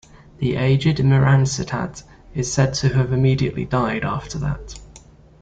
The aged Mihransitad is said to have immediately died after that.